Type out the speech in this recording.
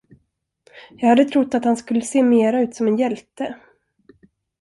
Jag hade trott att han skulle se mera ut som en hjälte.